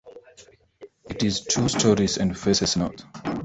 It is two stories and faces north.